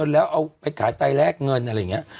แล้วเอาไปขายไตแลกเงินอะไรอย่างนี้